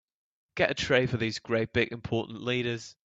Get a tray for these great big important leaders.